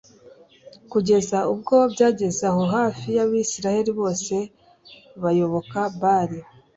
kugeza ubwo byageze aho hafi yAbisirayeli bose bayoboka Bali